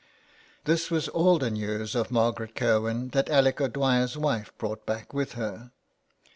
This was all the news of Margaret Kirwin that Alec O'Dwyer's wife brought back with her.